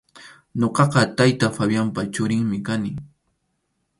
Ñuqaqa tayta Fabianpa churinmi kani.